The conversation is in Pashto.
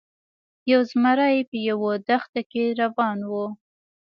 یو زمری په یوه دښته کې روان و.